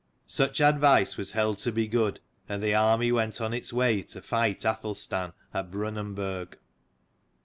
Such advice was held to be good, and the army went on its way to fight Athelstan at Brunanburg.